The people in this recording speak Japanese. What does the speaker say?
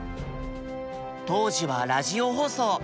当時はラジオ放送。